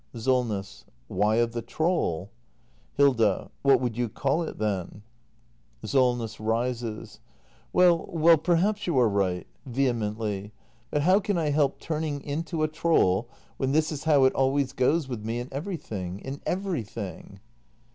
Solness. Why of the troll ? Hilda. What would you call it, then ? 352 THE MASTER BUILDER [act ii SOLNESS. [Rises.] Well, well, perhaps you are right. [Vehe mently.] But how can I help turning into a troll, when this is how it always goes with me in everything — in everything